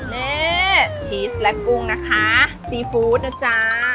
นี่ชีสและกุ้งนะคะซีฟู้ดนะจ๊ะ